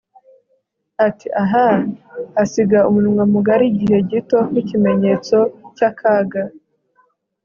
ati 'ah,' asiga umunwa mugari igihe gito nk'ikimenyetso cy'akaga